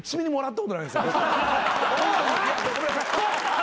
ごめんなさい。